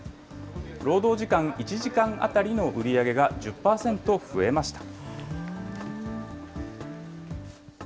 労働時間１時間当たりの売り上げが１０％増えました。